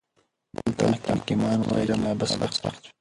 دلته حکيمان وايي چې ژمی به سخت وي.